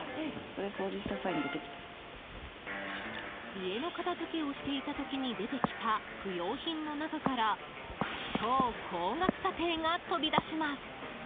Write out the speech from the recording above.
家の片付けをしていた時に出てきた不用品の中から超高額査定が飛び出します。